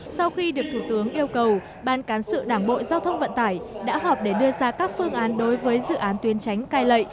sau khi được thủ tướng yêu cầu ban cán sự đảng bộ giao thông vận tải đã họp để đưa ra các phương án đối với dự án tuyến tránh cai lệ